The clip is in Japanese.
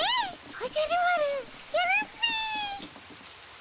おじゃる丸やるっピ。